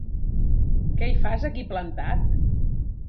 Què hi fas aquí plantat?